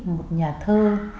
một nhà thơ